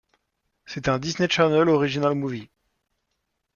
C'est un Disney Channel Original Movie.